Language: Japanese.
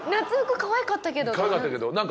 かわいかったけどなんか。